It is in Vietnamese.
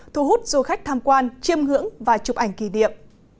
thu hút du khách tham quan chiêm hưởng và chụp ảnh kỳ điệp